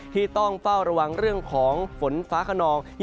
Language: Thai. ที่ต้องเฝ้าระวังเรื่องของฝนฟ้าขนอง